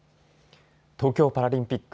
東京パラリンピック